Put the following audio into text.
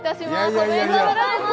おめでとうございます。